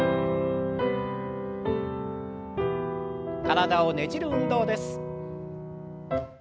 体をねじる運動です。